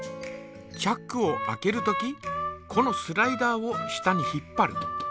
チャックを開けるときこのスライダーを下に引っぱる。